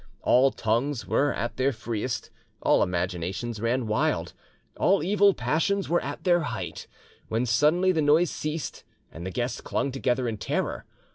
All tongues were at their freest, all imaginations ran wild, all evil passions were at their height, when suddenly the noise ceased, and the guests clung together in terror.